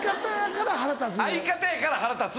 相方やから腹立つ。